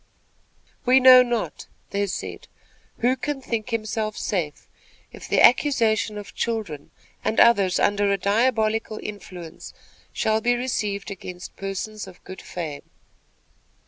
"We know not," they said, "who can think himself safe, if the accusation of children and others under a diabolical influence shall be received against persons of good fame."